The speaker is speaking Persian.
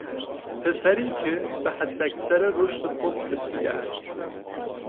پسری که به حداکثر رشد خود رسیده است